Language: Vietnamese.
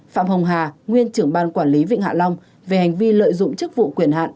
phạm hồng hà nguyên trưởng ban quản lý vịnh hạ long về hành vi lợi dụng chức vụ quyền hạn